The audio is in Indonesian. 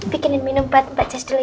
bikinin mie numpat mbak jess dulu ya